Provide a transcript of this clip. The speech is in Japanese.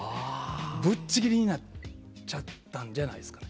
ぶっちぎりになっちゃったんじゃないですかね。